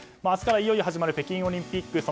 明日からいよいよ始まる北京オリンピック。